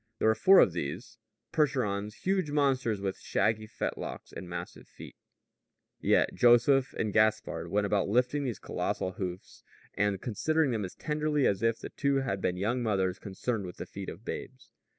There were four of these Percherons, huge monsters with shaggy fetlocks and massive feet; yet Joseph and Gaspard went about lifting these colossal hoofs, and considering them as tenderly as if the two had been young mothers concerned with the feet of babes.